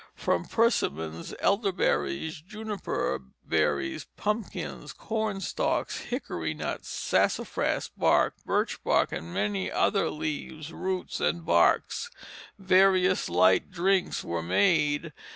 From persimmons, elderberries, juniper berries, pumpkins, corn stalks, hickory nuts, sassafras bark, birch bark, and many other leaves, roots, and barks, various light drinks were made.